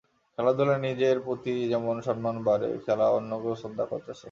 খেলাধুলায় নিজের প্রতি যেমন সম্মান বাড়ে, খেলা অন্যকেও শ্রদ্ধা করতে শেখায়।